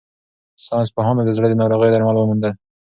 ساینس پوهانو د زړه د ناروغیو درمل وموندل.